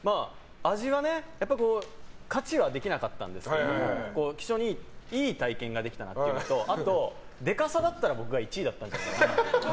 勝ちはできなかったんですけど非常にいい体験ができたなっていうのとデカさだったら僕が１位だったんじゃないかと。